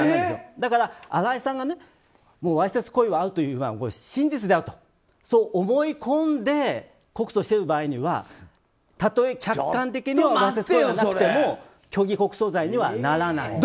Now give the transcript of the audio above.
だから新井さんがわいせつ行為はあると真実であると思い込んで告訴している場合にはたとえ客観的にあってもなくても虚偽告訴罪にはならないんです。